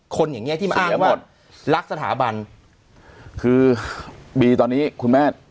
อย่างเงี้ที่มาอ้างว่ารักสถาบันคือบีตอนนี้คุณแม่